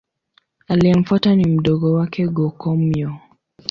Aliyemfuata ni mdogo wake Go-Komyo.